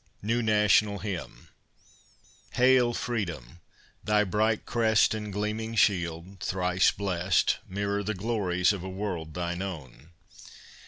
NEW NATIONAL HYMN Hail, Freedom! thy bright crest And gleaming shield, thrice blest, Mirror the glories of a world thine own.